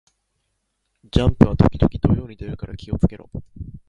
ジャンプは時々土曜に出るから気を付けろ